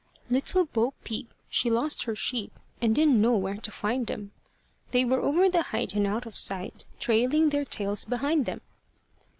Little Bo Peep, she lost her sheep, And didn't know where to find them; They were over the height and out of sight, Trailing their tails behind them.